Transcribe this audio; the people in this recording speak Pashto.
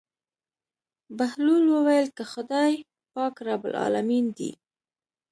بهلول وويل که خداى پاک رب العلمين دى.